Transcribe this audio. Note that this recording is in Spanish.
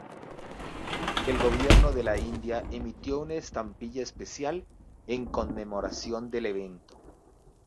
El Gobierno de la India emitió una estampilla especial en conmemoración del evento.